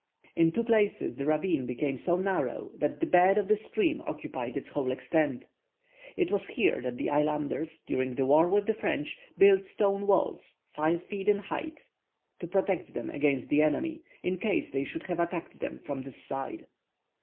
In two places the ravine became so narrow, that the bed of the stream occupied its whole extent. It was here that the islanders, during the war with the French, built stone walls five feet in height to protect them against the enemy, in case they should have attacked them from this side.